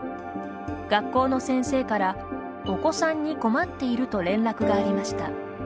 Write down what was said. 学校の先生からお子さんに困っていると連絡がありました。